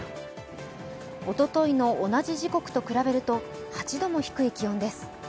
おとといの同じ時刻と比べると８度も低い気温です。